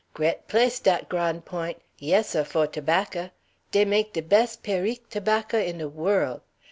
"Gret place, dat Gran' Point'. Yes, seh; fo' tobahcah. Dey make de bes' Périque tobahcah in de worl'.